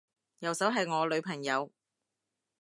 右手係我女朋友